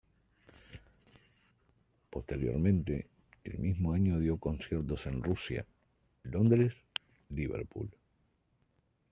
Posteriormente, el mismo año dio conciertos en Rusia, Londres, Liverpool.